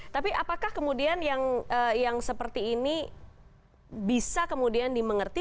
tapi apakah kemudian yang seperti ini bisa kemudian dimengerti